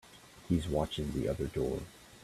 He's watching the other door.